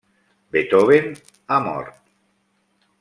Beethoven ha mort.